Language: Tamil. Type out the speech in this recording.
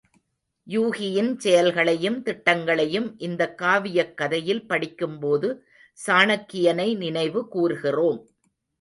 யூகியின் செயல்களையும் திட்டங்களையும், இந்தக் காவியக்கதையில் படிக்கும்போது சாணக்கியனை நினைவு கூர்கிறோம்.